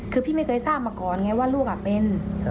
คือพี่ไม่เคยทราบมาก่อนไงว่าลูกเป็น